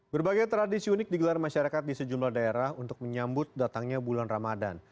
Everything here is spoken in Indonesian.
berbagai tradisi unik digelar masyarakat di sejumlah daerah untuk menyambut datangnya bulan ramadan